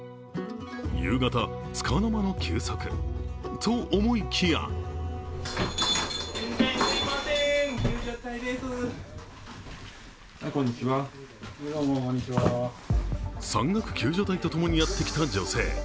夕方、つかの間の休息と思いきや山岳救助隊とともにやってきた女性。